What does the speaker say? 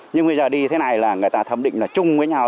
nhưng bây giờ đi thế này là người ta thấm định là chung với nhau